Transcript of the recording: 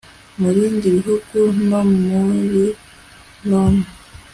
mu bindi bihugu no muri loni